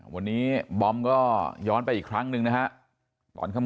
วันนี้บอมก็ย้อนไปอีกครั้งหนึ่งนะฮะตอนค่ำ